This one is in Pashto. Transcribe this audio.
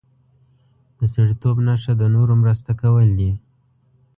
د سړیتوب نښه د نورو مرسته کول دي.